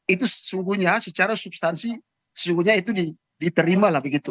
itu sesungguhnya secara substansi sesungguhnya itu diterima lah begitu